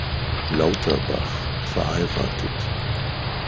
Lauterbach, verh.